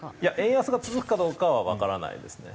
いや円安が続くかどうかはわからないですね。